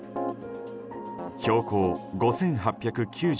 標高５８９５ｍ。